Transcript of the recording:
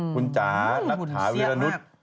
คุณจ๋านักภาวิทยาละนุษย์